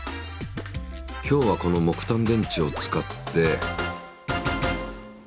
今日はこの木炭電池を使って。